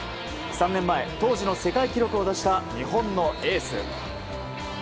３年前、当時の世界記録を出した日本のエース。